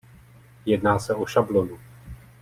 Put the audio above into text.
Jedná se o šablonu.